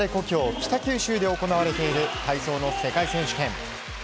北九州で行われている体操の世界選手権。